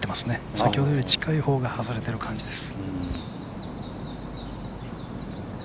先ほどより近いほうが外れている感じです。